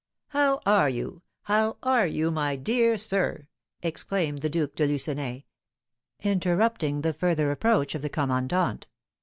"How are you? How are you, my dear sir?" exclaimed the Duke de Lucenay, interrupting the further approach of the commandant.